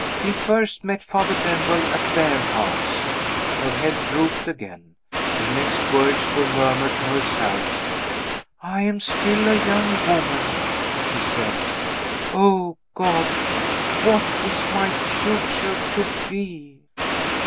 He first met Father Benwell at their house." Her head drooped again; her next words were murmured to herself. "I am still a young woman," she said. "Oh, God, what is my future to be?"